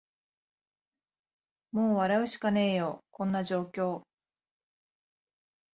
もう笑うしかねーよ、こんな状況